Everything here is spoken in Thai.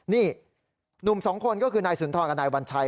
นี่หนุ่มสองคนก็คือนายสุนทรกับนายวัญชัย